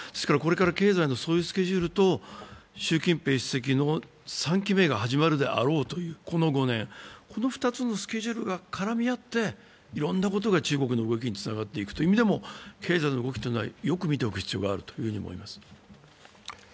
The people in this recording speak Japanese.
これからの経済のそういうスケジュールと習近平主席の３期目が始めるであろうという、この５年、この２つのスケジュールが絡み合っていろんなことが中国の動きにつながっていく意味でも経済の動きというのはよく見ておく必要があると思います。